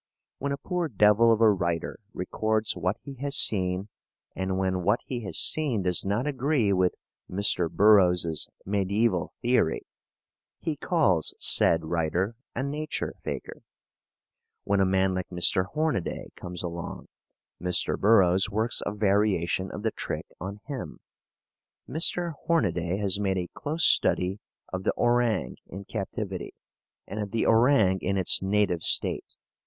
When a poor devil of a writer records what he has seen, and when what he has seen does not agree with Mr. Burroughs's mediaeval theory, he calls said writer a nature faker. When a man like Mr. Hornaday comes along, Mr. Burroughs works a variation of the trick on him. Mr. Hornaday has made a close study of the orang in captivity and of the orang in its native state.